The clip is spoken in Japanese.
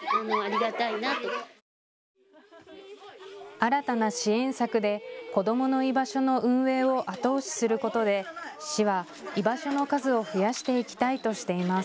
新たな支援策で子どもの居場所の運営を後押しすることで市は居場所の数を増やしていきたいとしています。